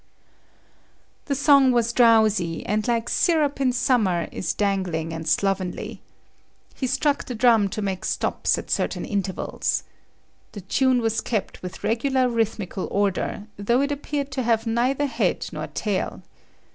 The song was drowsy, and like syrup in summer is dangling and slovenly. He struck the drum to make stops at certain intervals. The tune was kept with regular rhythmical order, though it appeared to have neither head nor tail.